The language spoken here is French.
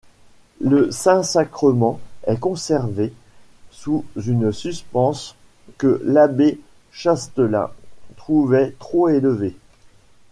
Le Saint Sacrement est conservé sous une suspense que l'Abbé Chastelain trouvait trop élevée.